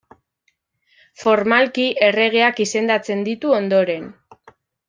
Formalki erregeak izendatzen ditu ondoren.